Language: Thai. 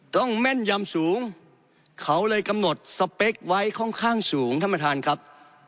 แม่นยำสูงเขาเลยกำหนดสเปคไว้ค่อนข้างสูงท่านประธานครับ